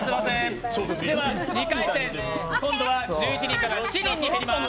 ２回戦、今度は１１人から７人に減ります。